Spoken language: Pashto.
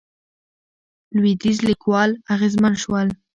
لوېدیځ لیکوال اغېزمن شول.